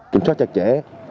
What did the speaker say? kiểm soát chặt chẽ